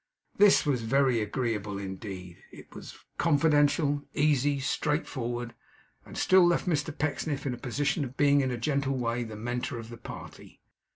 This was very agreeable indeed. It was confidential, easy, straight forward; and still left Mr Pecksniff in the position of being in a gentle way the Mentor of the party.